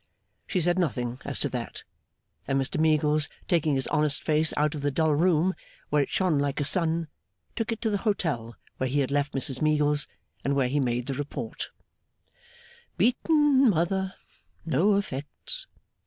She said nothing as to that; and Mr Meagles, taking his honest face out of the dull room, where it shone like a sun, took it to the Hotel where he had left Mrs Meagles, and where he made the Report: 'Beaten, Mother; no effects!